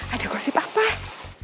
ada apa sih jeng